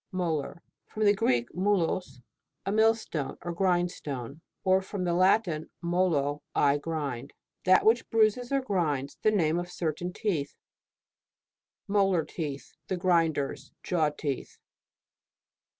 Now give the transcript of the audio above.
MOLAR. From the Greek, mvlos, a millstone, or grindstone ; or from the Latin, moZo, I grind. That which bruises or grinds. The name of certain teeth. MOLAR TEETH The grinders. Jaw teeth.